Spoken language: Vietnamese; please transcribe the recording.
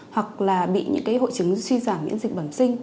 hoặc là bị những cái hội chứng suy giảm miễn dịch bẩm sinh